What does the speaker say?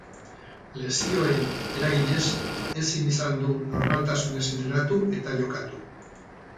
Lesioen eraginez ezin izan du normaltasunez entrenatu eta jokatu.